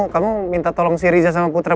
kamu minta tolong si riza sama putra